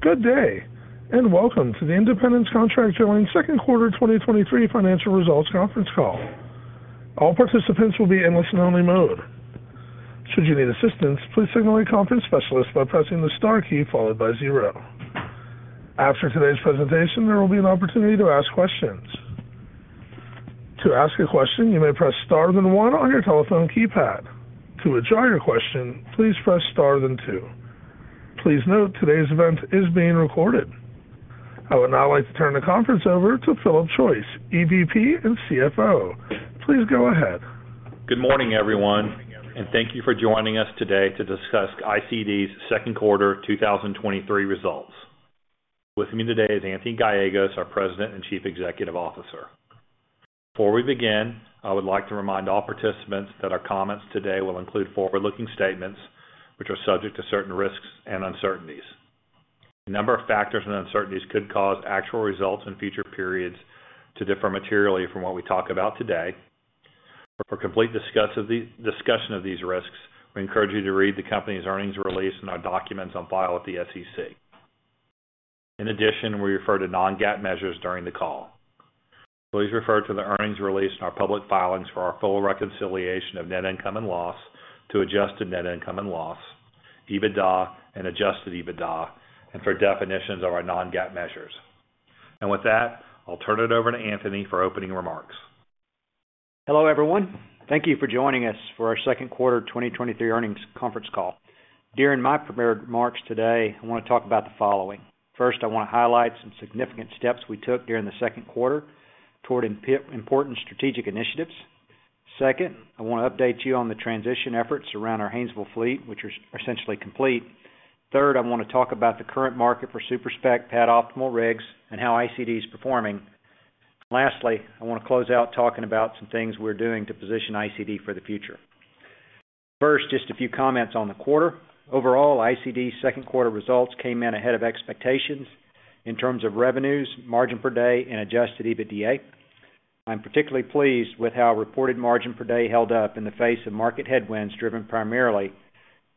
Good day, welcome to the Independence Contract Drilling's second quarter 2023 financial results conference call. All participants will be in listen-only mode. Should you need assistance, please signal a conference specialist by pressing the star key followed by zero. After today's presentation, there will be an opportunity to ask questions. To ask a question, you may press star than one on your telephone keypad. To withdraw your question, please press star than two. Please note, today's event is being recorded. I would now like to turn the conference over to Philip Choyce, EVP and CFO. Please go ahead. Good morning, everyone, and thank you for joining us today to discuss ICD's second quarter 2023 results. With me today is Anthony Gallegos, our President and Chief Executive Officer. Before we begin, I would like to remind all participants that our comments today will include forward-looking statements, which are subject to certain risks and uncertainties. A number of factors and uncertainties could cause actual results in future periods to differ materially from what we talk about today. For complete discussion of these risks, we encourage you to read the company's earnings release in our documents on file at the SEC. In addition, we refer to non-GAAP measures during the call. Please refer to the earnings release in our public filings for our full reconciliation of net income and loss to adjusted net income and loss, EBITDA and adjusted EBITDA, and for definitions of our non-GAAP measures. With that, I'll turn it over to Anthony for opening remarks. Hello, everyone. Thank you for joining us for our second quarter 2023 earnings conference call. During my prepared remarks today, I want to talk about the following. First, I want to highlight some significant steps we took during the second quarter toward important strategic initiatives. Second, I want to update you on the transition efforts around our Haynesville fleet, which are essentially complete. Third, I want to talk about the current market for super-spec pad-optimal rigs and how ICD is performing. Lastly, I want to close out talking about some things we're doing to position ICD for the future. First, just a few comments on the quarter. Overall, ICD's second quarter results came in ahead of expectations in terms of revenues, margin per day, and adjusted EBITDA. I'm particularly pleased with how reported margin per day held up in the face of market headwinds, driven primarily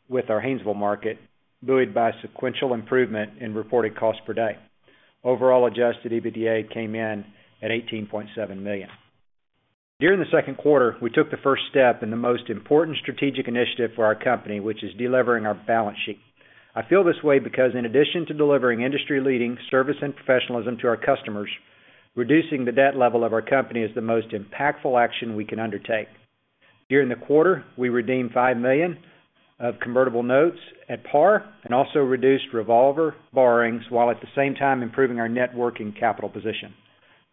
with our Haynesville market, buoyed by sequential improvement in reported cost per day. Overall adjusted EBITDA came in at $18.7 million. During the second quarter, we took the first step in the most important strategic initiative for our company, which is delivering our balance sheet. I feel this way because in addition to delivering industry-leading service and professionalism to our customers, reducing the debt level of our company is the most impactful action we can undertake. During the quarter, we redeemed $5 million of convertible notes at par and also reduced revolver borrowings, while at the same time improving our net working capital position.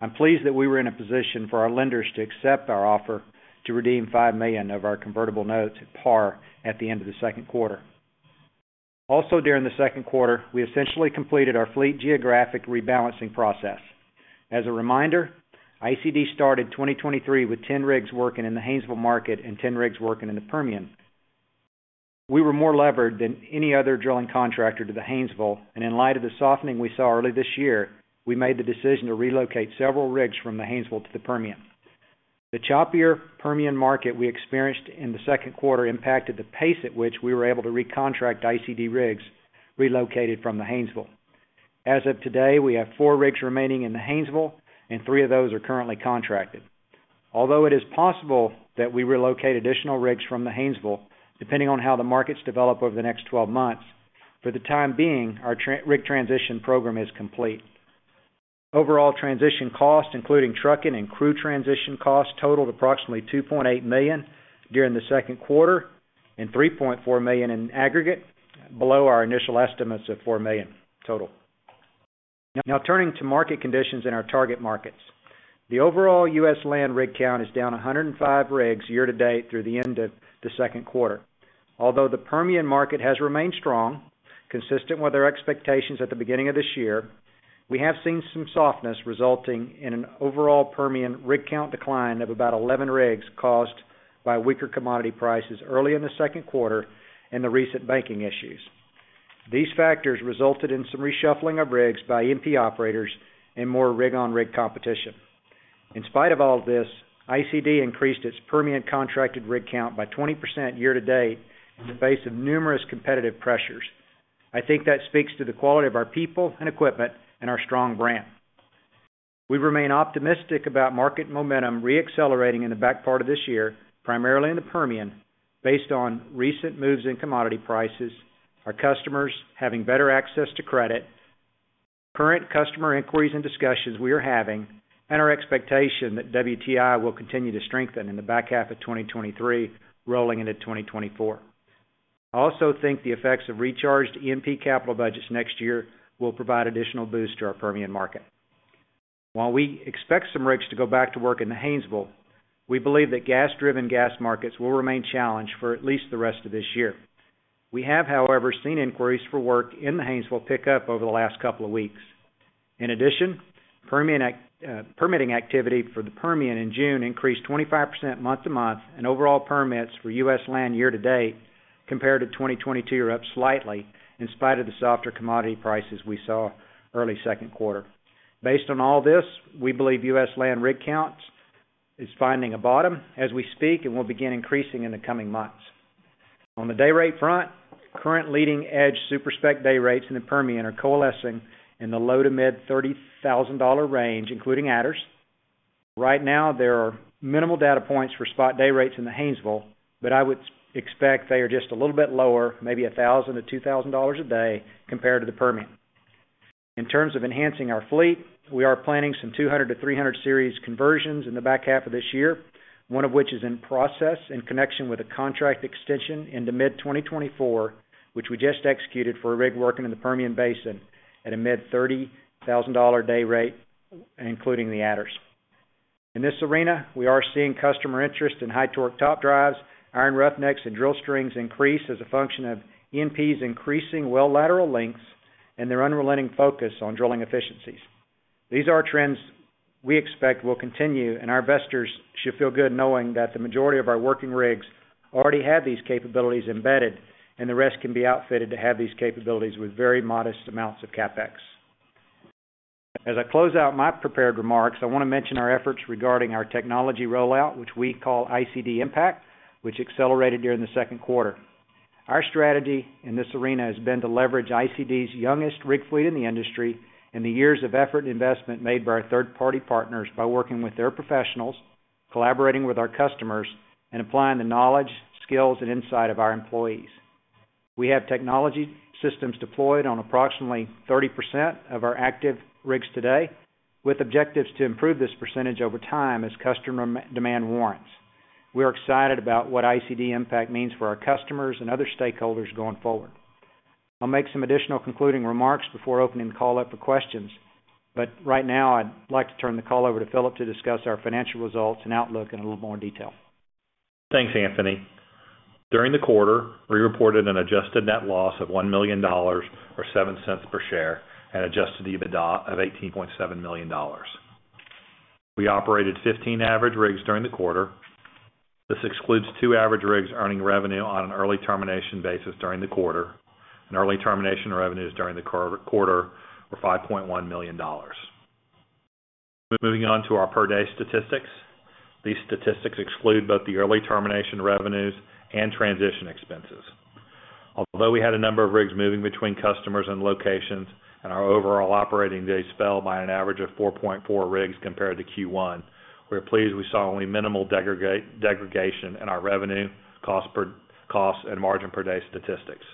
I'm pleased that we were in a position for our lenders to accept our offer to redeem $5 millions of our convertible notes at par at the end of the second quarter. During the second quarter, we essentially completed our fleet geographic rebalancing process. As a reminder, ICD started 2023 with 10 rigs working in the Haynesville market and 10 rigs working in the Permian. We were more levered than any other drilling contractor to the Haynesville, and in light of the softening we saw early this year, we made the decision to relocate several rigs from the Haynesville to the Permian. The choppier Permian market we experienced in the second quarter impacted the pace at which we were able to recontract ICD rigs relocated from the Haynesville. As of today, we have four rigs remaining in the Haynesville, and three of those are currently contracted. Although it is possible that we relocate additional rigs from the Haynesville, depending on how the markets develop over the next 12 months, for the time being, our rig transition program is complete. Overall transition costs, including trucking and crew transition costs, totaled approximately $2.8 million during the second quarter and $3.4 million in aggregate, below our initial estimates of $4 million total. Turning to market conditions in our target markets. The overall U.S. land rig count is down 105 rigs year-to-date through the end of the second quarter. Although the Permian market has remained strong, consistent with our expectations at the beginning of this year, we have seen some softness, resulting in an overall Permian rig count decline of about 11 rigs caused by weaker commodity prices early in the second quarter and the recent banking issues. These factors resulted in some reshuffling of rigs by E&P operators and more rig on rig competition. In spite of all this, ICD increased its permanent contracted rig count by 20% year-to-date in the face of numerous competitive pressures. I think that speaks to the quality of our people and equipment and our strong brand. We remain optimistic about market momentum re-accelerating in the back part of this year, primarily in the Permian, based on recent moves in commodity prices, our customers having better access to credit, current customer inquiries and discussions we are having, and our expectation that WTI will continue to strengthen in the back half of 2023, rolling into 2024. I also think the effects of recharged E&P capital budgets next year will provide additional boost to our Permian market. While we expect some rigs to go back to work in the Haynesville, we believe that gas-driven gas markets will remain challenged for at least the rest of this year. We have, however, seen inquiries for work in the Haynesville pick up over the last couple of weeks. In addition, Permian permitting activity for the Permian in June increased 25% month-to-month, and overall permits for U.S. land year-to-date compared to 2022 are up slightly in spite of the softer commodity prices we saw early second quarter. Based on all this, we believe US land rig counts is finding a bottom as we speak and will begin increasing in the coming months. On the day rate front, current leading-edge super-spec day rates in the Permian are coalescing in the low to mid $30,000 range, including adders. Right now, there are minimal data points for spot day rates in the Haynesville, but I would expect they are just a little bit lower, maybe $1,000-$2,000 a day compared to the Permian. In terms of enhancing our fleet, we are planning some 200-to-300 Series conversions in the back half of this year, one of which is in process in connection with a contract extension into mid-2024, which we just executed for a rig working in the Permian Basin at a mid-$30,000 day rate, including the adders. In this arena, we are seeing customer interest in high torque top drives, iron roughnecks, and drill strings increase as a function of E&P's increasing well lateral lengths and their unrelenting focus on drilling efficiencies. These are trends we expect will continue. Our investors should feel good knowing that the majority of our working rigs already have these capabilities embedded. The rest can be outfitted to have these capabilities with very modest amounts of CapEx. As I close out my prepared remarks, I want to mention our efforts regarding our technology rollout, which we call ICD Impact, which accelerated during the second quarter. Our strategy in this arena has been to leverage ICD's youngest rig fleet in the industry and the years of effort and investment made by our third-party partners by working with their professionals, collaborating with our customers, and applying the knowledge, skills, and insight of our employees. We have technology systems deployed on approximately 30% of our active rigs today, with objectives to improve this percentage over time as customer demand warrants. We are excited about what ICD Impact means for our customers and other stakeholders going forward. I'll make some additional concluding remarks before opening the call up for questions, but right now, I'd like to turn the call over to Philip to discuss our financial results and outlook in a little more detail. Thanks, Anthony. During the quarter, we reported an adjusted net loss of $1 million, or $0.07 per share, and adjusted EBITDA of $18.7 million. We operated 15 average rigs during the quarter. This excludes 2 average rigs earning revenue on an early termination basis during the quarter, and early termination revenues during the quarter were $5.1 million. Moving on to our per-day statistics. These statistics exclude both the early termination revenues and transition expenses. We had a number of rigs moving between customers and locations and our overall operating days fell by an average of 4.4 rigs compared to Q1, we're pleased we saw only minimal degradation in our revenue, cost and margin per day statistics.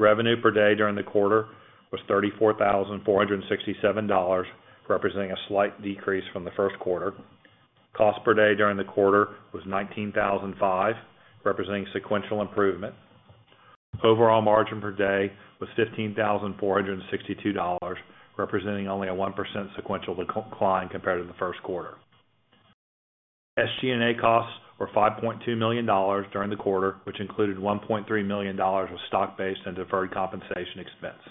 Revenue per day during the quarter was $34,467, representing a slight decrease from the first quarter. Cost per day during the quarter was $19,005, representing sequential improvement. Overall margin per day was $15,462, representing only a 1% sequential decline compared to the first quarter. SG&A costs were $5.2 million during the quarter, which included $1.3 million of stock-based and deferred compensation expense.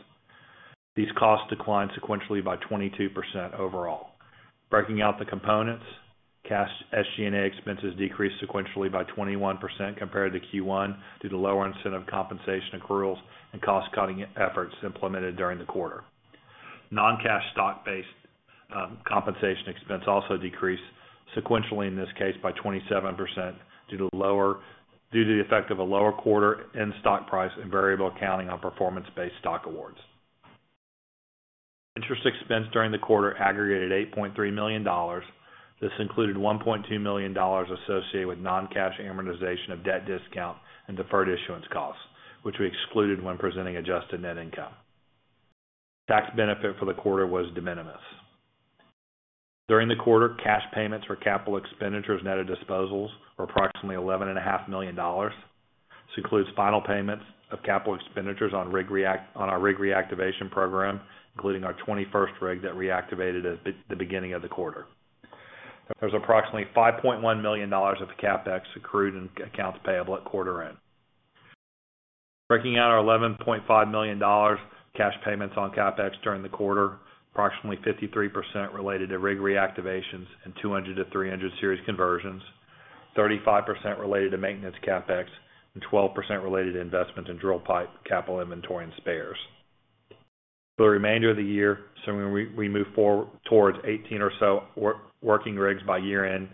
These costs declined sequentially by 22% overall. Breaking out the components, cash SG&A expenses decreased sequentially by 21% compared to Q1, due to lower incentive compensation accruals and cost-cutting efforts implemented during the quarter. Non-cash stock-based compensation expense also decreased sequentially, in this case, by 27% due to the effect of a lower quarter end stock price and variable accounting on performance-based stock awards. Interest expense during the quarter aggregated $8.3 million. This included $1.2 million associated with non-cash amortization of debt discount and deferred issuance costs, which we excluded when presenting adjusted net income. Tax benefit for the quarter was de minimis. During the quarter, cash payments for capital expenditures, net of disposals, were approximately $11.5 million. This includes final payments of capital expenditures on rig react on our rig reactivation program, including our 21st rig that reactivated at the beginning of the quarter. There's approximately $5.1 million of CapEx accrued in accounts payable at quarter end. Breaking out our $11.5 million cash payments on CapEx during the quarter, approximately 53% related to rig reactivations and 200-to-300 Series conversions, 35% related to maintenance CapEx, and 12% related to investments in drill pipe, capital inventory, and spares. For the remainder of the year, so when we move towards 18 or so working rigs by year-end,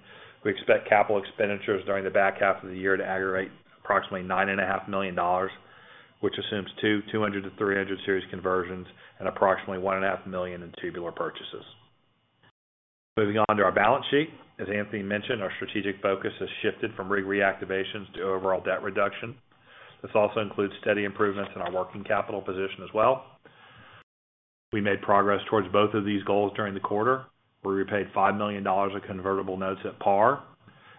we expect capital expenditures during the back half of the year to aggregate approximately $9.5 million, which assumes two 200-to-300 Series conversions and approximately $1.5 million in tubular purchases. Moving on to our balance sheet. As Anthony mentioned, our strategic focus has shifted from rig reactivations to overall debt reduction. This also includes steady improvements in our working capital position as well. We made progress towards both of these goals during the quarter, where we paid $5 million of convertible notes at par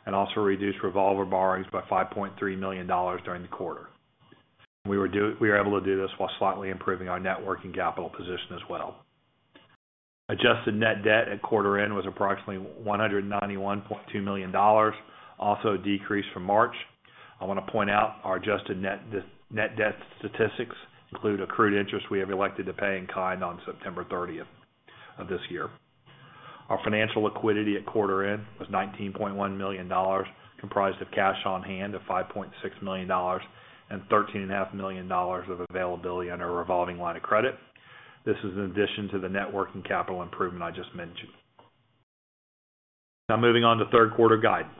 and also reduced revolver borrowings by $5.3 million during the quarter. We were able to do this while slightly improving our net working capital position as well. Adjusted net debt at quarter end was approximately $191.2 million, also a decrease from March. I want to point out our adjusted net debt statistics include accrued interest we have elected to pay in kind on September 30th of this year. Our financial liquidity at quarter end was $19.1 million, comprised of cash on hand of $5.6 million and $13.5 million of availability under a revolving line of credit. This is in addition to the networking capital improvement I just mentioned. Now, moving on to third quarter guidance.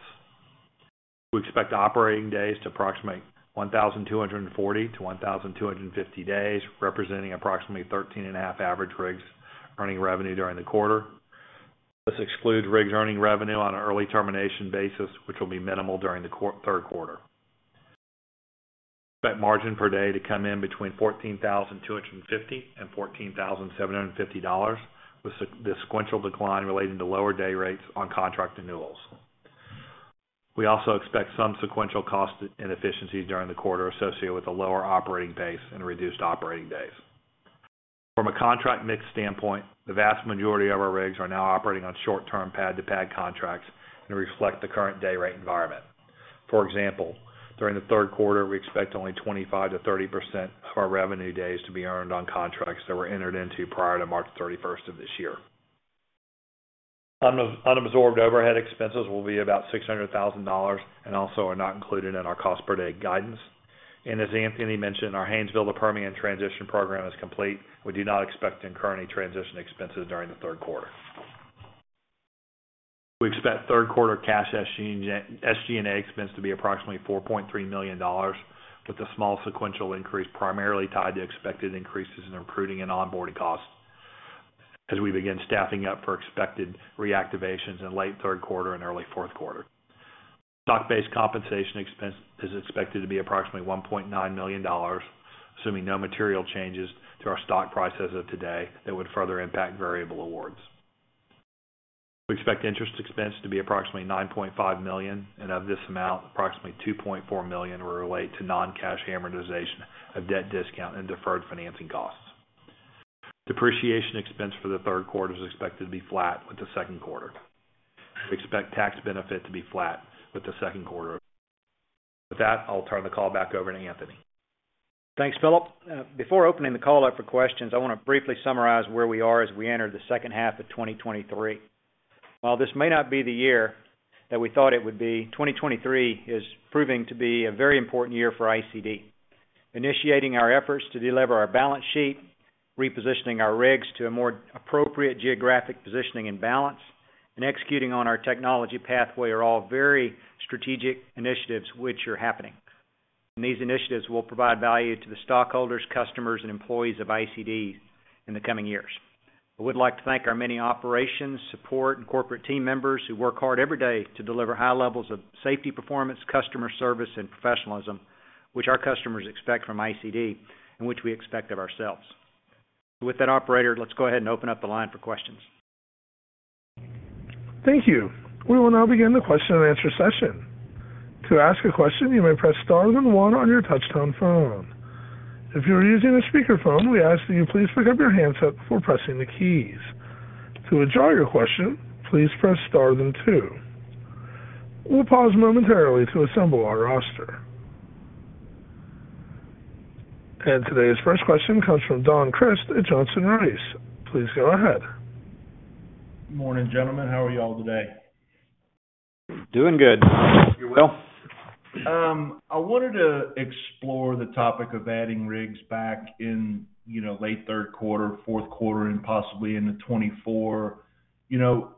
We expect operating days to approximate 1,240 to 1,250 days, representing approximately 13.5% average rigs earning revenue during the quarter. This excludes rigs earning revenue on an early termination basis, which will be minimal during the third quarter. We expect margin per day to come in between $14,250 and $14,750, with the sequential decline relating to lower day rates on contract renewals. We also expect some sequential cost inefficiencies during the quarter associated with the lower operating base and reduced operating days. From a contract mix standpoint, the vast majority of our rigs are now operating on short-term pad-to-pad contracts and reflect the current day rate environment. For example, during the third quarter, we expect only 25%-30% of our revenue days to be earned on contracts that were entered into prior to March 31st of this year. Unabsorbed overhead expenses will be about $600,000 and also are not included in our cost per day guidance. As Anthony mentioned, our Haynesville to Permian transition program is complete. We do not expect to incur any transition expenses during the third quarter. We expect third quarter cash SG&A expense to be approximately $4.3 million, with a small sequential increase, primarily tied to expected increases in recruiting and onboarding costs as we begin staffing up for expected reactivations in late third quarter and early fourth quarter. Stock-based compensation expense is expected to be approximately $1.9 million, assuming no material changes to our stock price as of today, that would further impact variable awards. We expect interest expense to be approximately $9.5 million, and of this amount, approximately $2.4 million will relate to non-cash amortization of debt discount and deferred financing costs. Depreciation expense for the third quarter is expected to be flat with the second quarter. We expect tax benefit to be flat with the second quarter. With that, I'll turn the call back over to Anthony. Thanks, Philip. Before opening the call up for questions, I want to briefly summarize where we are as we enter the second half of 2023. While this may not be the year that we thought it would be, 2023 is proving to be a very important year for ICD. Initiating our efforts to deleverage our balance sheet, repositioning our rigs to a more appropriate geographic positioning and balance, and executing on our technology pathway are all very strategic initiatives which are happening. These initiatives will provide value to the stockholders, customers, and employees of ICD in the coming years. I would like to thank our many operations, support, and corporate team members who work hard every day to deliver high levels of safety, performance, customer service, and professionalism, which our customers expect from ICD and which we expect of ourselves. With that, operator, let's go ahead and open up the line for questions. Thank you. We will now begin the question and answer session. To ask a question, you may press star then one on your touchtone phone. If you are using a speakerphone, we ask that you please pick up your handset before pressing the keys. To withdraw your question, please press star then two. We'll pause momentarily to assemble our roster. Today's first question comes from Don Crist at Johnson Rice. Please go ahead. Good morning, gentlemen. How are you all today? Doing good. You, well? I wanted to explore the topic of adding rigs back in, you know, late third quarter, fourth quarter, and possibly into 2024. You know,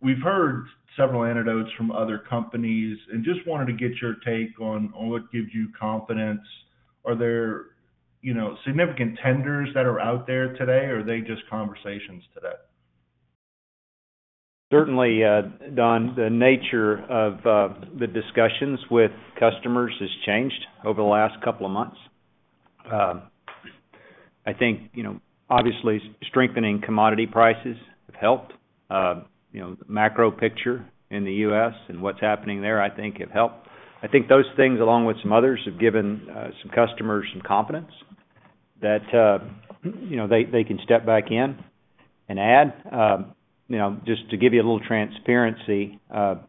we've heard several anecdotes from other companies and just wanted to get your take on what gives you confidence. Are there, you know, significant tenders that are out there today, or are they just conversations today? Certainly, Don, the nature of the discussions with customers has changed over the last couple of months. I think, you know, obviously, strengthening commodity prices have helped. You know, the macro picture in the U.S. and what's happening there, I think have helped. I think those things, along with some others, have given some customers some confidence that, you know, they can step back in and add. You know, just to give you a little transparency,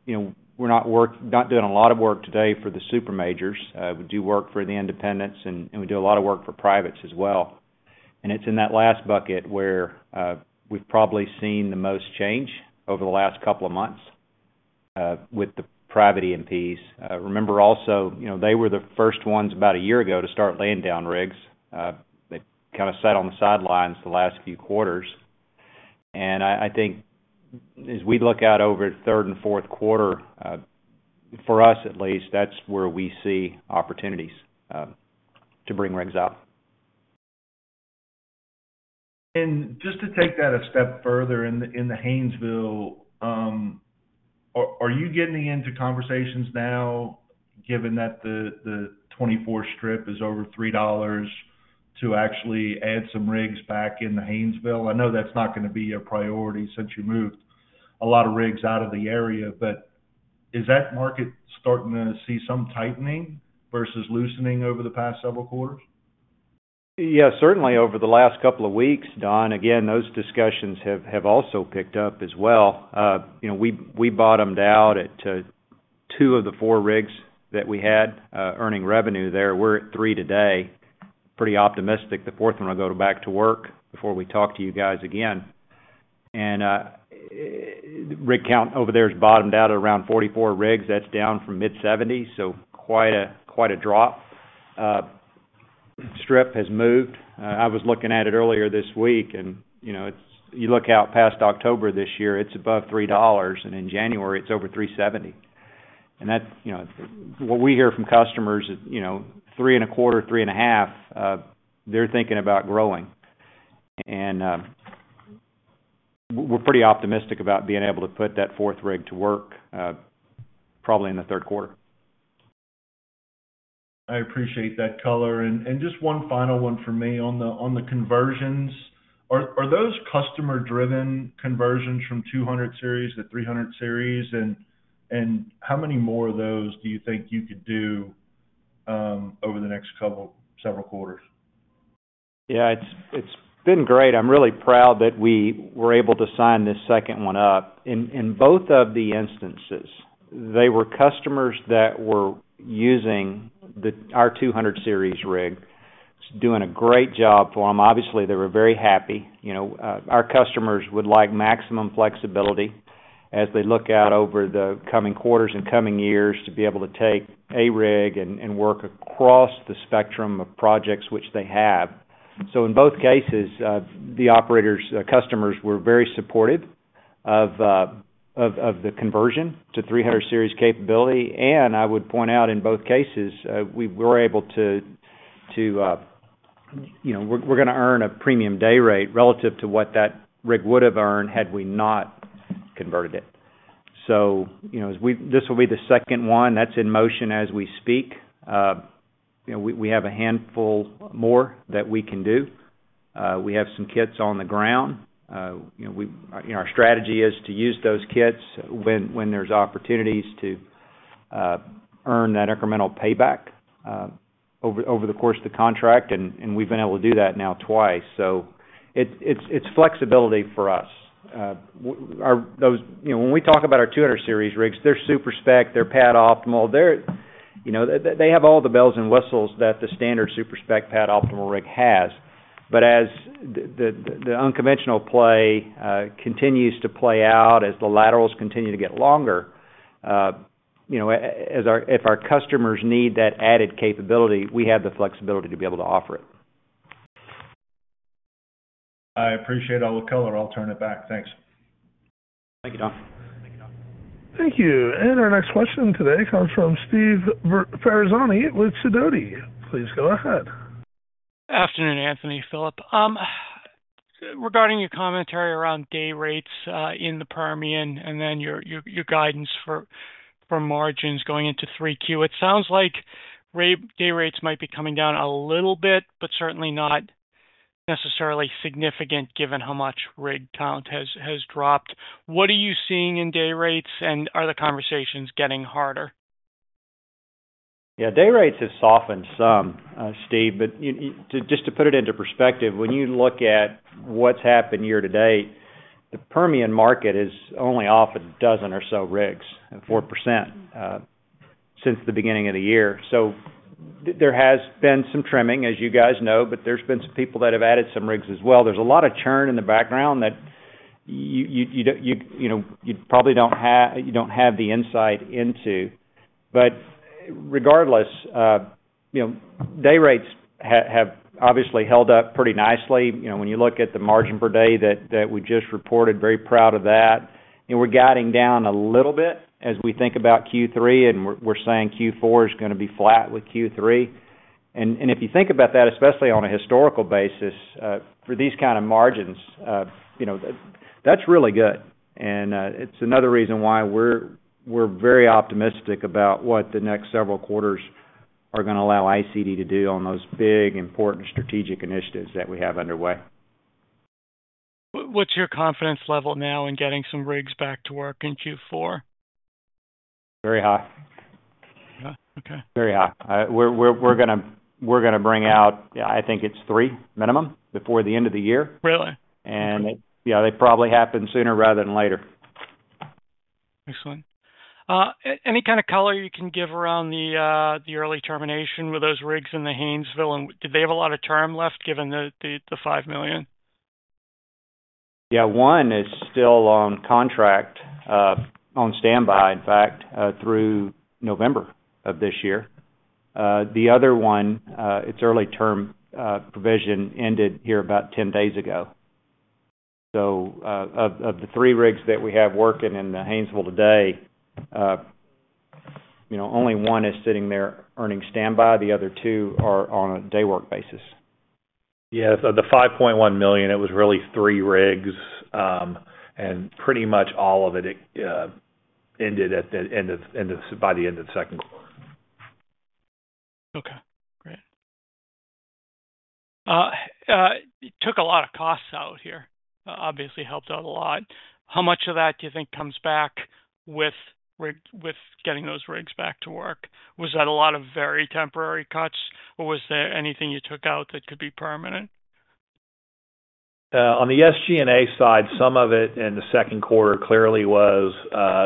you know, we're not doing a lot of work today for the supermajors. We do work for the independents, and we do a lot of work for privates as well. And it's in that last bucket where we've probably seen the most change over the last couple of months, with the private E&Ps. Remember also, you know, they were the first ones about a year ago, to start laying down rigs. They kind of sat on the sidelines the last few quarters, I think as we look out over third and fourth quarter, for us at least, that's where we see opportunities, to bring rigs up. Just to take that a step further in the Haynesville, are you getting into conversations now, given that the 24 strip is over $3, to actually add some rigs back in the Haynesville? I know that's not going to be a priority since you moved a lot of rigs out of the area, is that market starting to see some tightening versus loosening over the past several quarters? Yeah, certainly over the last couple of weeks, Don. Those discussions have also picked up as well. You know, we bottomed out at two of the four rigs that we had earning revenue there. We're at three today. Pretty optimistic the fourth one will go back to work before we talk to you guys again. Rig count over there has bottomed out at around 44 rigs. That's down from mid-70s, so quite a drop. Strip has moved. I was looking at it earlier this week, and, you know, you look out past October this year, it's above $3, and in January, it's over $3.70. That's, you know, what we hear from customers is, you know, $3.25, $3.50, they're thinking about growing. We're pretty optimistic about being able to put that fourth rig to work, probably in the third quarter. I appreciate that color. Just one final one for me on the conversions. Are those customer-driven conversions from 200-to-300 Series? How many more of those do you think you could do, over the next couple, several quarters? Yeah, it's been great. I'm really proud that we were able to sign this second one up. In both of the instances, they were customers that were using our 200 Series rig, it's doing a great job for them. Obviously, they were very happy. You know, our customers would like maximum flexibility as they look out over the coming quarters and coming years, to be able to take a rig and work across the spectrum of projects which they have. In both cases, the operators, the customers were very supportive of the conversion to 300 Series capability. I would point out in both cases, we were able to, you know, we're going to earn a premium day rate relative to what that rig would have earned had we not converted it. You know, this will be the second one that's in motion as we speak. You know, we have a handful more that we can do. We have some kits on the ground. You know, our strategy is to use those kits when there's opportunities to earn that incremental payback over the course of the contract, and we've been able to do that now twice. It's, flexibility for us. You know, when we talk about our 200 Series rigs, they're super-spec, they're pad-optimal. They're, you know, they have all the bells and whistles that the standard super-spec pad-optimal rig has. As the unconventional play, continues to play out, as the laterals continue to get longer, you know, if our customers need that added capability, we have the flexibility to be able to offer it. I appreciate all the color. I'll turn it back. Thanks. Thank you, Don. Thank you. Our next question today comes from Stephen Ferazani with Sidoti. Please go ahead. Afternoon, Anthony, Philip. Regarding your commentary around day rates, in the Permian, and then your guidance for, for margins going into 3Q, it sounds like day rates might be coming down a little bit, but certainly not necessarily significant, given how much rig count has, has dropped. What are you seeing in day rates, and are the conversations getting harder? Yeah, day rates have softened some, Steve, but just to put it into perspective, when you look at what's happened year-to-date, the Permian market is only off a dozen or so rigs, at 4%, since the beginning of the year. There has been some trimming, as you guys know, but there's been some people that have added some rigs as well. There's a lot of churn in the background that you know, you don't have the insight into. Regardless, you know, day rates have obviously held up pretty nicely. You know, when you look at the margin per day that we just reported, very proud of that. And we're guiding down a little bit as we think about Q3, and we're, we're saying Q4 is going to be flat with Q3. If you think about that, especially on a historical basis, for these kind of margins, you know, that's really good. It's another reason why we're very optimistic about what the next several quarters are going to allow ICD to do on those big, important strategic initiatives that we have underway. What's your confidence level now in getting some rigs back to work in Q4? Very high. Yeah? Okay. Very high. We're, going to bring out, I think it's 3 minimum before the end of the year. Really? Yeah, they'll probably happen sooner rather than later. Excellent. Any kind of color you can give around the early termination with those rigs in the Haynesville, and did they have a lot of term left, given the $5 million? One is still on contract, on standby, in fact, through November of this year. The other one, its early term, provision ended here about 10 days ago. Of, of the three rigs that we have working in the Haynesville today, you know, only one is sitting there earning standby. The other two are on a day work basis. Yeah, the $5.1 million, it was really three rigs, and pretty much all of it, it ended by the end of the second quarter. Okay, great. It took a lot of costs out here, obviously helped out a lot. How much of that do you think comes back with getting those rigs back to work? Was that a lot of very temporary cuts, or was there anything you took out that could be permanent? On the SG&A side, some of it in the second quarter clearly was,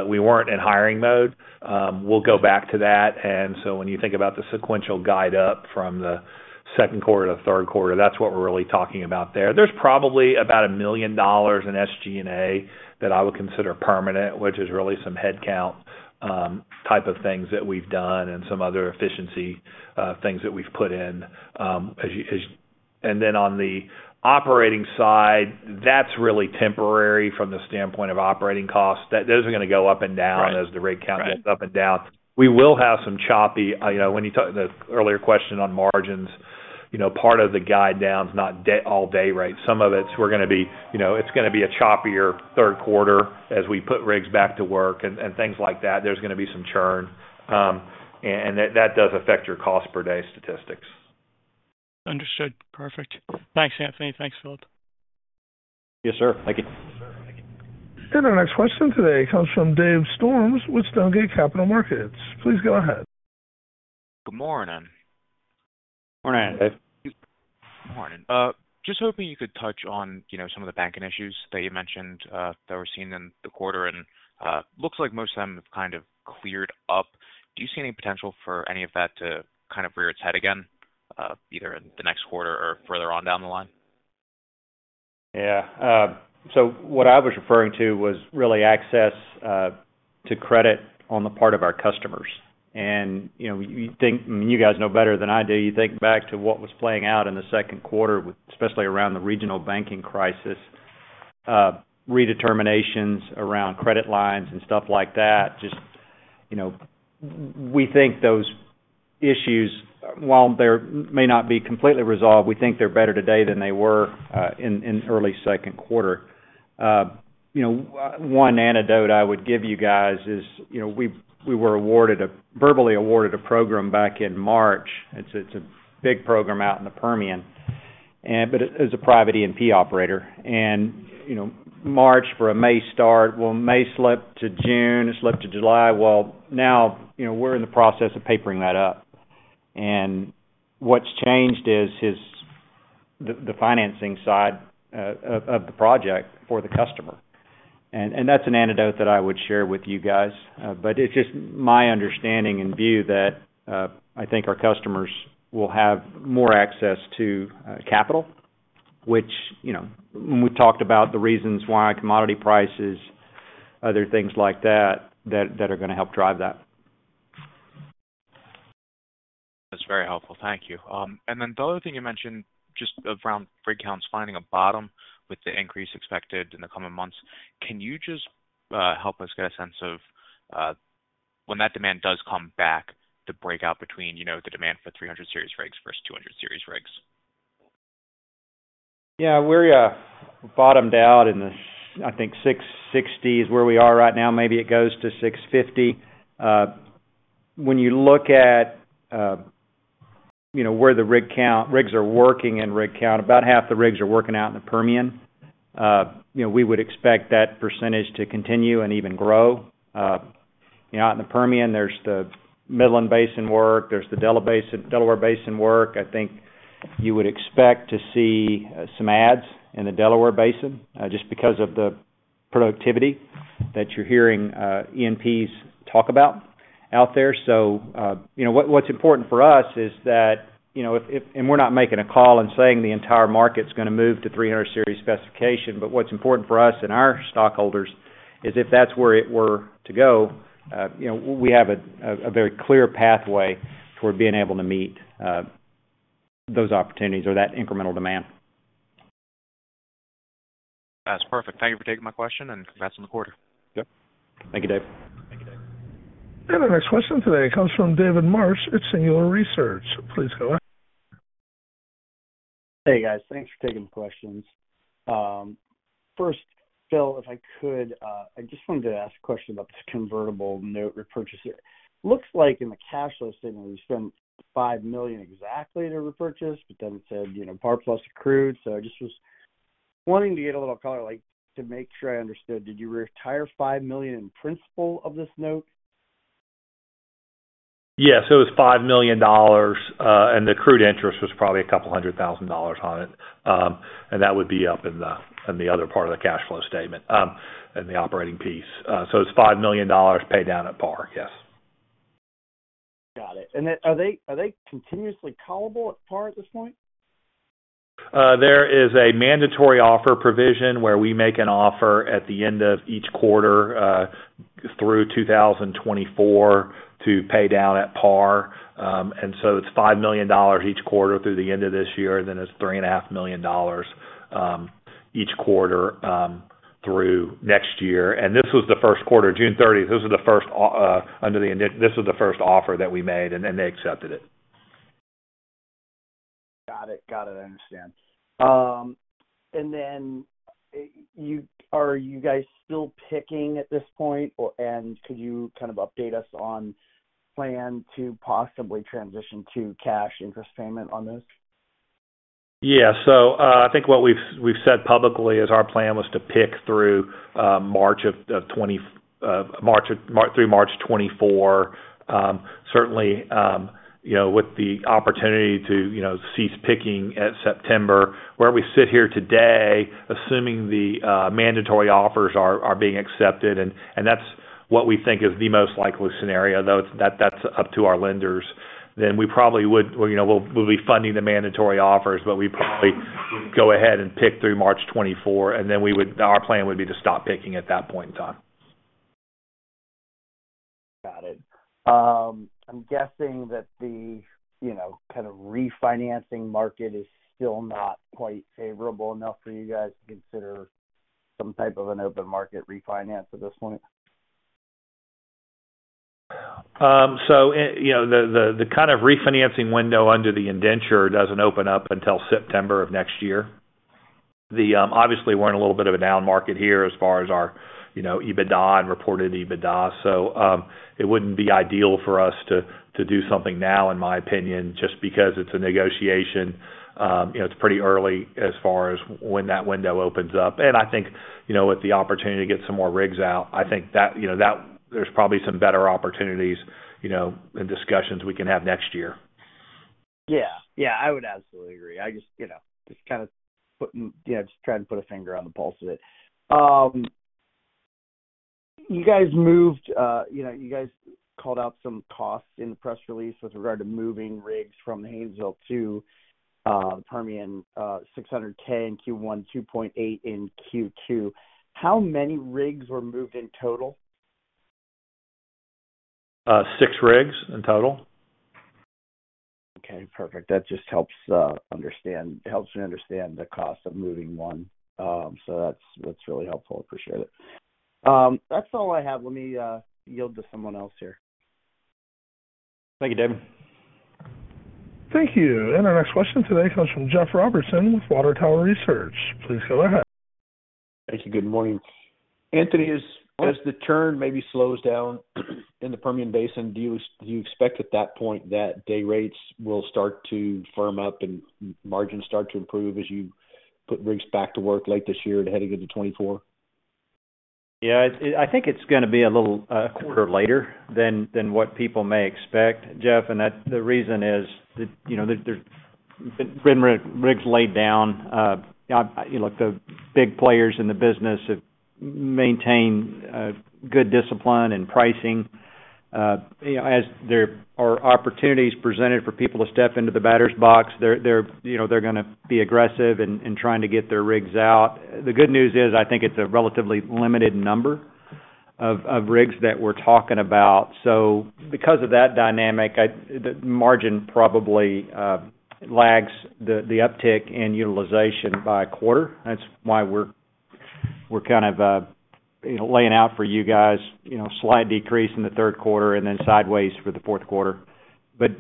we weren't in hiring mode, we'll go back to that. So when you think about the sequential guide up from the second quarter to third quarter, that's what we're really talking about there. There's probably about $1 million in SG&A that I would consider permanent, which is really some headcount, type of things that we've done and some other efficiency, things that we've put in. Then on the operating side, that's really temporary from the standpoint of operating costs. Those are going to go up and down. Right As the rig count goes up and down. We will have some choppy, you know, when you talk, the earlier question on margins, you know, part of the guide down is not all day, right. Some of it's we're going to be, you know, it's going to be a choppier third quarter as we put rigs back to work and things like that. There's going to be some churn, and that does affect your cost per day statistics. Understood. Perfect. Thanks, Anthony. Thanks, Phil. Yes, sir. Thank you. Our next question today comes from Dave Storms with Stonegate Capital Markets. Please go ahead. Good morning. Morning, Dave. Morning. Just hoping you could touch on, you know, some of the banking issues that you mentioned, that were seen in the quarter, and looks like most of them have kind of cleared up. Do you see any potential for any of that to kind of rear its head again, either in the next quarter or further on down the line? Yeah, so what I was referring to was really access to credit on the part of our customers. You know, you think, you guys know better than I do. You think back to what was playing out in the second quarter, with especially around the regional banking crisis, redeterminations around credit lines and stuff like that, just, you know, we think those issues, while they're, may not be completely resolved, we think they're better today than they were in early second quarter. You know, one anecdote I would give you guys is, you know, we were verbally awarded a program back in March. It's a big program out in the Permian, but it's a private E&P operator. You know, March for a May start, well, May slipped to June, it slipped to July. Well, now, you know, we're in the process of papering that up. What's changed is the financing side of the project for the customer. That's an anecdote that I would share with you guys. It's just my understanding and view that I think our customers will have more access to capital, which, you know, when we talked about the reasons why commodity prices, other things like that are going to help drive that. That's very helpful. Thank you. Then the other thing you mentioned, just around rig counts, finding a bottom with the increase expected in the coming months. Can you just help us get a sense of when that demand does come back, the breakout between, you know, the demand for 300 Series rigs versus 200 Series rigs? Yeah, we're bottomed out in the, I think, 660 is where we are right now. Maybe it goes to 650. When you look at, you know, where the rig count rigs are working in rig count, about half the rigs are working out in the Permian. You know, we would expect that percentage to continue and even grow. You know, out in the Permian, there's the Midland Basin work, there's the Delaware Basin work. I think you would expect to see some ads in the Delaware Basin, just because of the productivity that you're hearing E&Ps talk about out there. You know, what's important for us is that. We're not making a call and saying the entire market's going to move to 300 Series specification, but what's important for us and our stockholders is if that's where it were to go, you know, we have a very clear pathway toward being able to meet those opportunities or that incremental demand. That's perfect. Thank you for taking my question, and congrats on the quarter. Yep. Thank you, Dave. The next question today comes from David Marsh at Singular Research. Please go ahead. Hey, guys. Thanks for taking the questions. First, Phil, if I could, I just wanted to ask a question about the convertible note repurchase here. Looks like in the cash flow statement, you spent $5 million exactly to repurchase, but then it said, you know, par plus accrued. I just was wanting to get a little color, like, to make sure I understood, did you retire $5 million in principal of this note? Yes, it was $5 million, and the accrued interest was probably $100,000 on it. That would be up in the other part of the cash flow statement, in the operating piece. It's $5 million paid down at par, yes. Got it. Are they continuously callable at par at this point? There is a mandatory offer provision where we make an offer at the end of each quarter through 2024 to pay down at par. So it's $5 million each quarter through the end of this year, and then it's $3.5 million each quarter through next year. This was the first quarter, June 30. This is the first under the indenture this is the first offer that we made, and then they accepted it. Got it. I understand. Then, are you guys still picking at this point? Or, could you kind of update us on plan to possibly transition to cash interest payment on this? Yeah. I think what we've said publicly is our plan was to pick through March 2024. Certainly, you know, with the opportunity to, you know, cease picking at September, where we sit here today, assuming the mandatory offers are being accepted, and that's what we think is the most likely scenario, though, that's up to our lenders, then we probably would, you know, we'll, we'll be funding the mandatory offers. We probably would go ahead and pick through March 2024, and then our plan would be to stop picking at that point in time. Got it. I'm guessing that the, you know, kind of refinancing market is still not quite favorable enough for you guys to consider some type of an open market refinance at this point? You know, the kind of refinancing window under the indenture doesn't open up until September of next year. Obviously, we're in a little bit of a down market here as far as our, you know, EBITDA and reported EBITDA. It wouldn't be ideal for us to, to do something now, in my opinion, just because it's a negotiation. You know, it's pretty early as far as when that window opens up. I think, you know, with the opportunity to get some more rigs out, I think that, you know, that there's probably some better opportunities, you know, and discussions we can have next year. Yeah, I would absolutely agree. I just, you know, just trying to put a finger on the pulse of it. You guys moved, you know, you guys called out some costs in the press release with regard to moving rigs from the Haynesville to Permian, $600,000 in Q1, $2.8 million in Q2. How many rigs were moved in total? Six rigs in total. Okay, perfect. That just helps me understand the cost of moving one. That's really helpful. I appreciate it. That's all I have. Let me, yield to someone else here. Thank you, Dave. Thank you. Our next question today comes from Jeff Robertson with Water Tower Research. Please go ahead. Thank you. Good morning. Anthony, as the turn maybe slows down in the Permian Basin, do you expect at that point that day rates will start to firm up and margins start to improve as you put rigs back to work late this year and heading into 2024? Yeah, I think it's going to be a little quarter later than what people may expect, Jeff. The reason is that, you know, there's been rigs laid down. You know, the big players in the business have maintained good discipline in pricing. You know, as there are opportunities presented for people to step into the batter's box, you know, they're going to be aggressive in, in trying to get their rigs out. The good news is, I think it's a relatively limited number of rigs that we're talking about. Because of that dynamic, the margin probably lags the uptick in utilization by a quarter. That's why we're kind of, you know, laying out for you guys, you know, slight decrease in the third quarter and then sideways for the fourth quarter.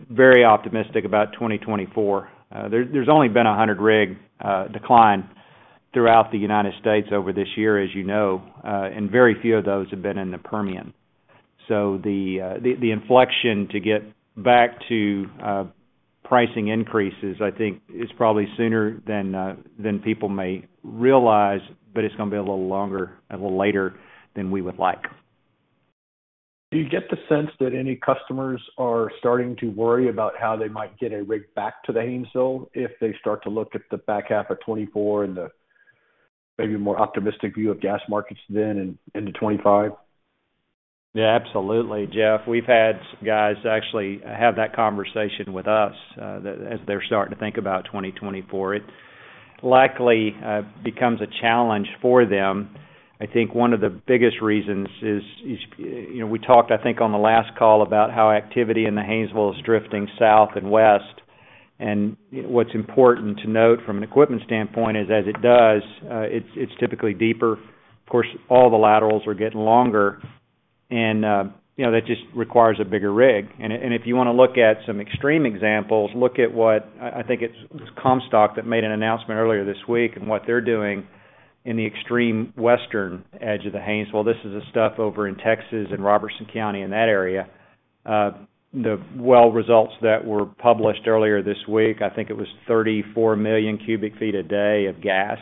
Very optimistic about 2024. There, there's only been a 100 rig decline throughout the United States over this year, as you know, and very few of those have been in the Permian. The inflection to get back to pricing increases, I think is probably sooner than people may realize, but it's going to be a little longer, a little later than we would like. Do you get the sense that any customers are starting to worry about how they might get a rig back to the Haynesville if they start to look at the back half of 2024 and the maybe more optimistic view of gas markets then and into 2025? Yeah, absolutely. Jeff, we've had guys actually have that conversation with us, as they're starting to think about 2024. It likely becomes a challenge for them. I think one of the biggest reasons is, you know, we talked, I think, on the last call about how activity in the Haynesville is drifting south and west. What's important to note from an equipment standpoint is, as it does, it's typically deeper. Of course, all the laterals are getting longer, and, you know, that just requires a bigger rig. And if you want to look at some extreme examples, look at what, I think it's Comstock that made an announcement earlier this week, and what they're doing in the extreme western edge of the Haynesville. This is the stuff over in Texas and Robertson County, in that area. The well results that were published earlier this week, I think it was 34 million cubic feet a day of gas.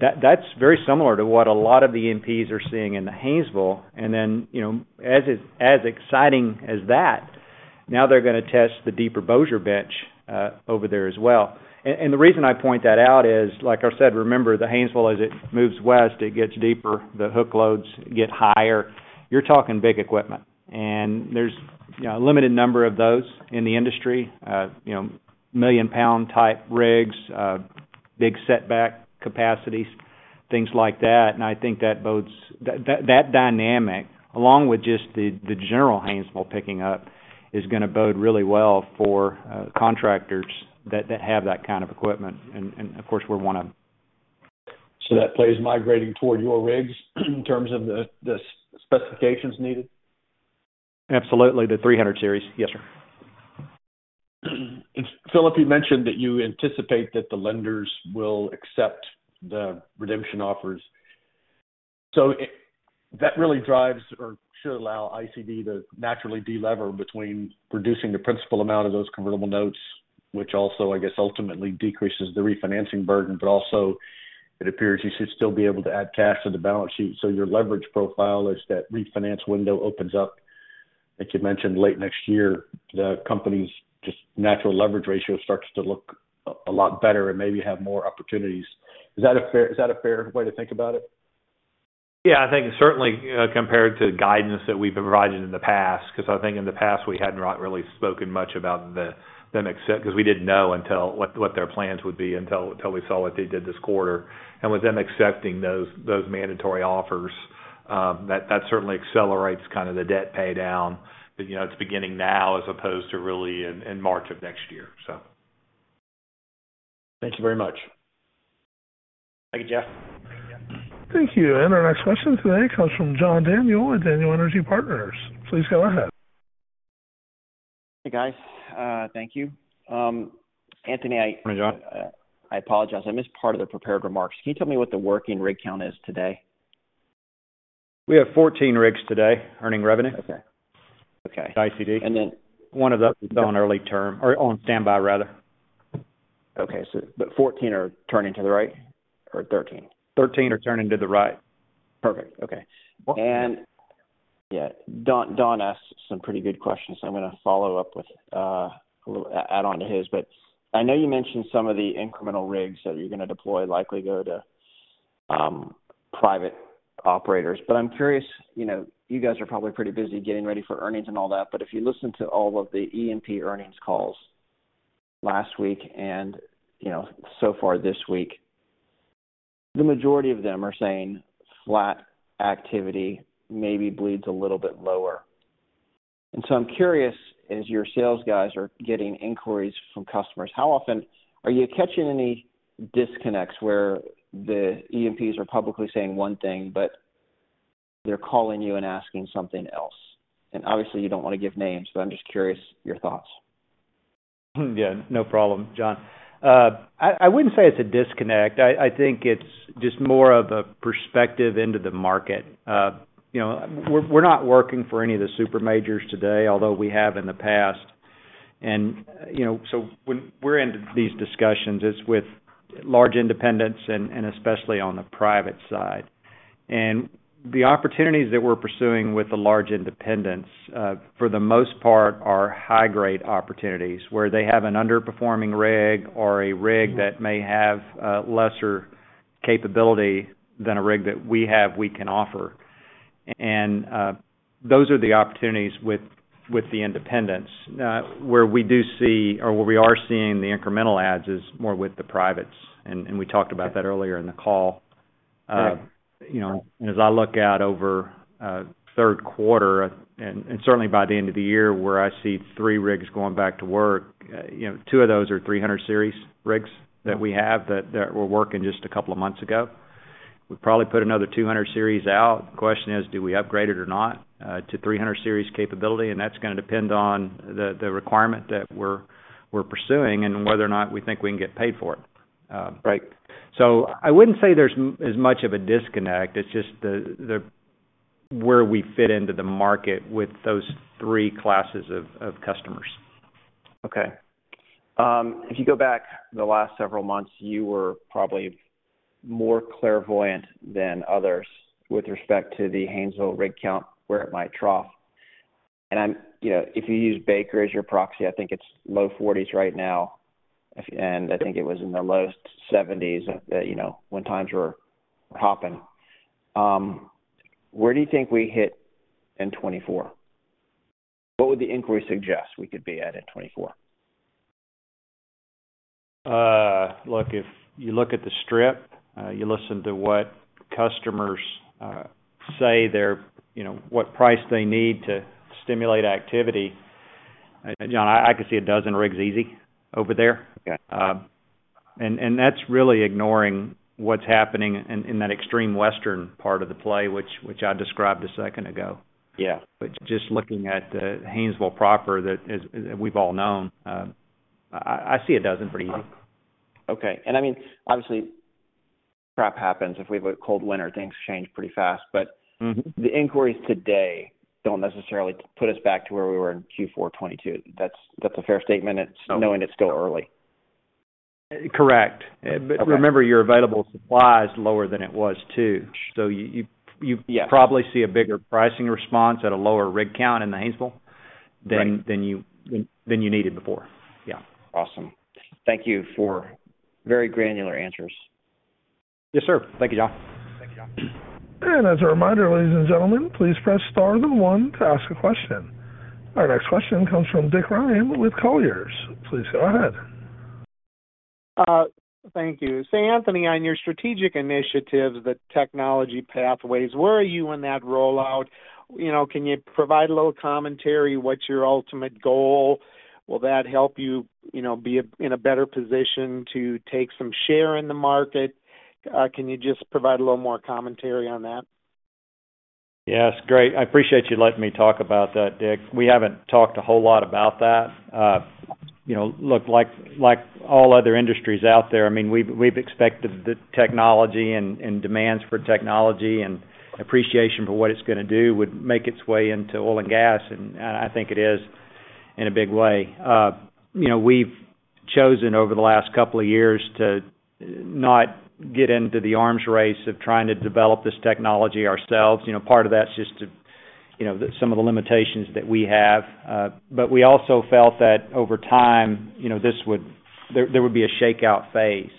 That's very similar to what a lot of the E&Ps are seeing in the Haynesville. You know, as exciting as that, now they're going to test the deeper Bossier bench over there as well. The reason I point that out is, like I said, remember, the Haynesville, as it moves west, it gets deeper, the hook loads get higher. You're talking big equipment, and there's, you know, a limited number of those in the industry. You know, million-pound type rigs, big setback capacities, things like that. I think that bodes. That dynamic, along with just the general Haynesville picking up, is going to bode really well for contractors that have that kind of equipment. And of course, we're one of them. That play is migrating toward your rigs in terms of the specifications needed? Absolutely, the 300 Series. Yes, sir. Philip, you mentioned that you anticipate that the lenders will accept the redemption offers. It, that really drives or should allow ICD to naturally deleverage between reducing the principal amount of those convertible notes, which also, I guess, ultimately decreases the refinancing burden, but also it appears you should still be able to add cash to the balance sheet. Your leverage profile as that refinance window opens up, like you mentioned, late next year, the company's just natural leverage ratio starts to look a lot better and maybe have more opportunities. Is that a fair way to think about it? Yeah, I think certainly, compared to guidance that we've provided in the past, because I think in the past, we hadn't not really spoken much about them accept because we didn't know until what their plans would be until we saw what they did this quarter. With them accepting those mandatory offers, that certainly accelerates kind of the debt paydown. You know, it's beginning now as opposed to really in March of next year. Thank you very much. Thank you, Jeff. Thank you. Our next question today comes from John Daniel with Daniel Energy Partners. Please go ahead. Hey, guys. Thank you. Anthony, Hi, John. I apologize. I missed part of the prepared remarks. Can you tell me what the working rig count is today? We have 14 rigs today, earning revenue. Okay. ICD. And then. One of those on early term or on standby, rather. Okay. 14 are turning to the right or 13? Thirteen are turning to the right. Perfect. Okay. Yeah, Don asked some pretty good questions, so I'm going to follow up with a little add on to his. But I know you mentioned some of the incremental rigs that you're going to deploy, likely go to private operators. I'm curious, you know, you guys are probably pretty busy getting ready for earnings and all that, but if you listen to all of the E&P earnings calls last week and, you know, so far this week, the majority of them are saying flat activity, maybe bleeds a little bit lower. I'm curious, as your sales guys are getting inquiries from customers, how often are you catching any disconnects where the E&Ps are publicly saying one thing, but they're calling you and asking something else? Obviously, you don't want to give names, but I'm just curious your thoughts. Yeah, no problem, John. I wouldn't say it's a disconnect. I think it's just more of a perspective into the market. You know, we're not working for any of the supermajors today, although we have in the past. So when we're in these discussions, it's with large independents and especially on the private side. The opportunities that we're pursuing with the large independents, for the most part, are high-grade opportunities, where they have an underperforming rig or a rig that may have, lesser capability than a rig that we have, we can offer. Those are the opportunities with the independents. Where we do see or where we are seeing the incremental adds is more with the privates, and we talked about that earlier in the call. You know, as I look out over, third quarter and certainly by the end of the year, where I see three rigs going back to work, you know, two of those are 300 Series rigs that we have, that were working just a couple of months ago. We probably put another 200 Series out. The question is, do we upgrade it or not, to 300 Series capability? That's going to depend on the requirement that we're pursuing and whether or not we think we can get paid for it. Right. I wouldn't say there's as much of a disconnect. It's just the where we fit into the market with those three classes of customers. Okay. If you go back the last several months, you were probably more clairvoyant than others with respect to the Haynesville rig count, where it might trough. You know, if you use Baker as your proxy, I think it's low 40s right now. I think it was in the low 70s, you know, when times were hopping. Where do you think we hit in 2024? What would the inquiry suggest we could be at in 2024? Look, if you look at the strip, you listen to what customers say they're, you know, what price they need to stimulate activity, John, I could see dozen rigs easy over there. Okay. That's really ignoring what's happening in that extreme western part of the play, which I described a second ago. Yeah. Just looking at the Haynesville proper, that is, we've all known, I see a dozen pretty easy. Okay. I mean, obviously, crap happens. If we have a cold winter, things change pretty fast. The inquiries today don't necessarily put us back to where we were in Q4 2022. That's a fair statement, knowing it's still early? Correct. Remember, your available supply is lower than it was, too. You probably see a bigger pricing response at a lower rig count in the Haynesville, than you needed before. Yeah. Awesome. Thank you for very granular answers. Yes, sir. Thank you, John. Thank you. As a reminder, ladies and gentlemen, please press star then one to ask a question. Our next question comes from Dick Ryan with Colliers. Please go ahead. Thank you. Anthony, on your strategic initiatives, the technology pathways, where are you in that rollout? You know, can you provide a little commentary? What's your ultimate goal? Will that help you, you know, be in a better position to take some share in the market? Can you just provide a little more commentary on that? Yes, great. I appreciate you letting me talk about that, Dick Ryan. We haven't talked a whole lot about that. You know, look, likeall other industries out there, I mean, we've expected the technology and demands for technology and appreciation for what it's going to do would make its way into oil and gas, and I think it is in a big way. You know, we've chosen, over the last couple of years, to not get into the arms race of trying to develop this technology ourselves. You know, part of that's just to, you know, some of the limitations that we have. We also felt that over time, you know, there would be a shakeout phase.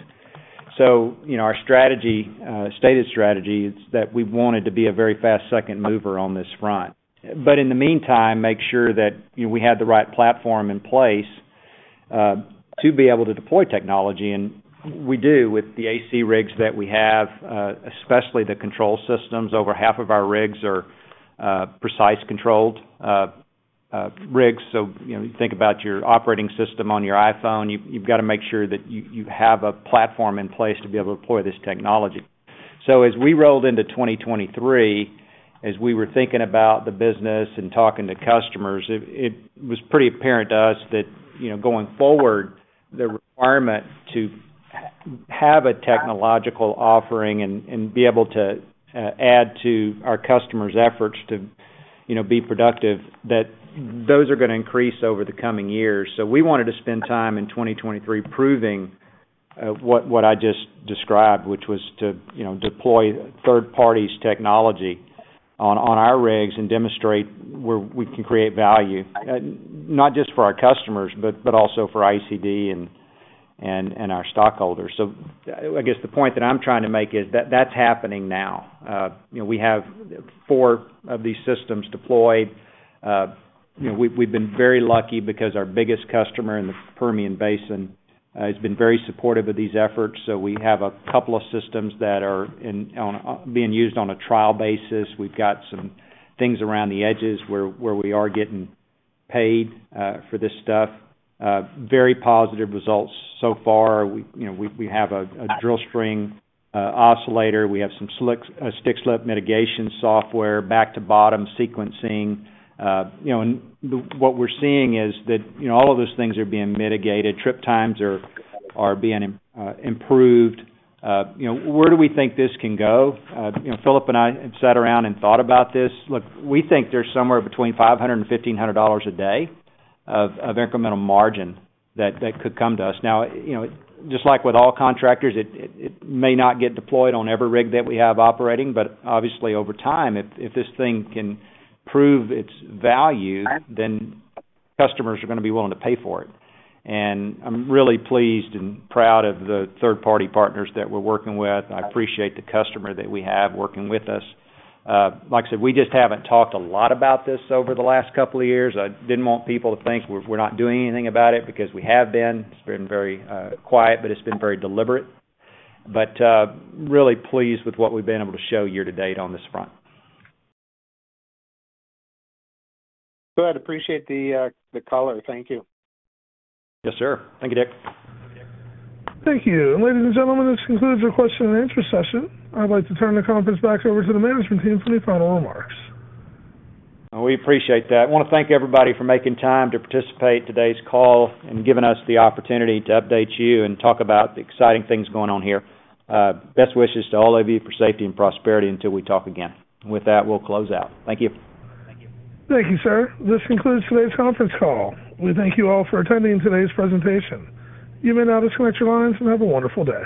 Our strategy, you know, stated strategy is that we wanted to be a very fast second mover on this front. In the meantime, make sure that, you know, we had the right platform in place to be able to deploy technology, and we do with the AC rigs that we have, especially the control systems. Over half of our rigs are precision-controlled rigs. You know, think about your operating system on your iPhone. You've got to make sure that you have a platform in place to be able to deploy this technology. As we rolled into 2023, as we were thinking about the business and talking to customers, it was pretty apparent to us that, you know, going forward, the requirement to have a technological offering and be able to add to our customers' efforts to, you know, be productive, that those are going to increase over the coming years. We wanted to spend time in 2023 proving what I just described, which was to, you know, deploy third party's technology on our rigs and demonstrate where we can create value, not just for our customers, but also for ICD and our stockholders. I guess, the point that I'm trying to make is that that's happening now. You know, we have four of these systems deployed. You know, we've been very lucky because our biggest customer in the Permian Basin has been very supportive of these efforts, so we have a couple of systems that are on being used on a trial basis. We've got some things around the edges where we are getting paid for this stuff. Very positive results so far. We, you know, have a drill string oscillator, we have some stick-slip mitigation software, back-to-bottom sequencing. You know, what we're seeing is that, you know, all of those things are being mitigated. Trip times are being improved. You know, where do we think this can go? You know, Philip and I have sat around and thought about this. Look, we think there's somewhere between $500 and $1,500 a day of incremental margin that could come to us. Now, you know, just like with all contractors, it may not get deployed on every rig that we have operating, but obviously, over time, if this thing can prove its value, then customers are going to be willing to pay for it. I'm really pleased and proud of the third-party partners that we're working with. I appreciate the customer that we have working with us. Like I said, we just haven't talked a lot about this over the last couple of years. I didn't want people to think we're not doing anything about it, because we have been. It's been very quiet, but it's been very deliberate. Really pleased with what we've been able to show year-to-date on this front. Got it. Appreciate the color. Thank you. Yes, sir. Thank you, Dick Ryan. Thank you. Ladies and gentlemen, this concludes our question-and-answer session. I'd like to turn the conference back over to the management team for any final remarks. Well, we appreciate that. I want to thank everybody for making time to participate in today's call and giving us the opportunity to update you and talk about the exciting things going on here. Best wishes to all of you for safety and prosperity until we talk again. With that, we'll close out. Thank you. Thank you, sir. This concludes today's conference call. We thank you all for attending today's presentation. You may now disconnect your lines and have a wonderful day.